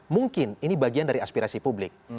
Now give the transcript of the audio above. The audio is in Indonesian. mungkin ini bagian dari aspirasi publik